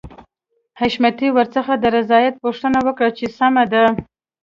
حشمتي ورڅخه د رضايت پوښتنه وکړه چې سمه ده.